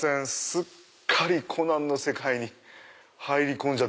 すっかり『コナン』の世界に入り込んで。